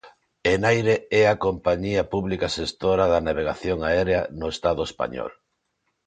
Enaire é a compañía pública xestora da navegación aérea no Estado español.